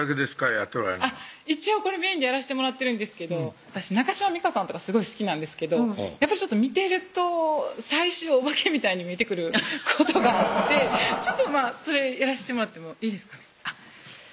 やっておられるのは一応これメインでやらしてもらってるんですけど私中島美嘉さんとかすごい好きなんですけどやっぱり見てると最終オバケみたいに見えてくることがあってちょっとそれやらしてもらってもいいですか？